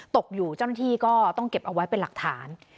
ตกอยู่เจ้าหน้าที่ก็ต้องเก็บเอาไว้เป็นหลักฐาน